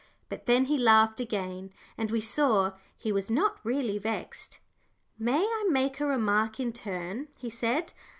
But then he laughed again, and we saw he was not really vexed. "May I make a remark in turn?" he said.